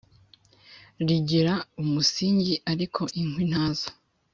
rigira umusingi ariko inkwi nta zo